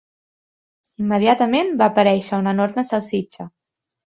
Immediatament va aparèixer una enorme salsitxa.